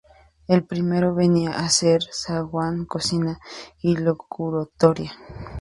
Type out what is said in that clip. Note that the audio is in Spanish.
El primero venía a ser zaguán, cocina y locutorio.